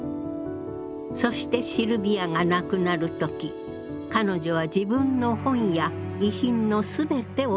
そしてシルヴィアが亡くなる時彼女は自分の本や遺品の全てをジョージに譲り渡した。